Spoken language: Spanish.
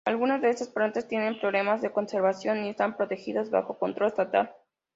Algunas de estas plantas tienen problemas de conservación y están protegidas bajo control estatal.